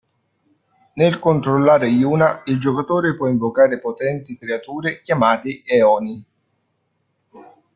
Nel controllare Yuna, il giocatore può invocare potenti creature chiamate Eoni.